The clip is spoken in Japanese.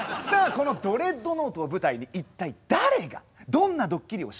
このドレッドノートを舞台に一体誰がどんなドッキリを仕掛けたのか。